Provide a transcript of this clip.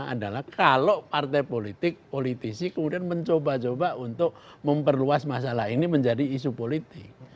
adalah kalau partai politik politisi kemudian mencoba coba untuk memperluas masalah ini menjadi isu politik